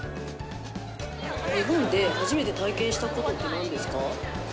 日本で初めて体験したことってなんですか？